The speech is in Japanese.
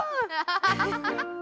アハハハハ！